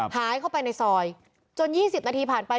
หายเข้าไปในซอยจน๒๐นาทีผ่านไป